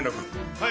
はい。